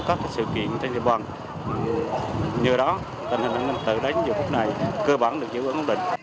các sự kiện trên địa bàn nhờ đó tình hình an ninh trật tự đánh giữa khúc này cơ bản được giữ ứng ổn định